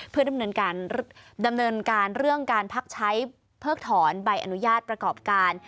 เพื่อดำเนินการเรื่องการพักใช้เพิกถอนใบอนุญาตประกอบการ